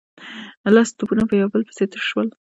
لس توپونه په يو بل پسې تش شول.